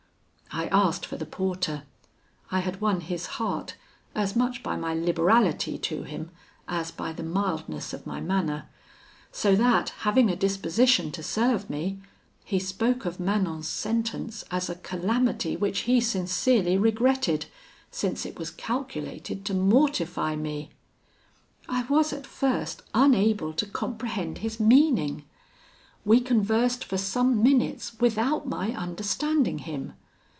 "I asked for the porter. I had won his heart, as much by my liberality to him, as by the mildness of my manner; so that, having a disposition to serve me, he spoke of Manon's sentence as a calamity which he sincerely regretted, since it was calculated to mortify me. I was at first unable to comprehend his meaning. We conversed for some minutes without my understanding him.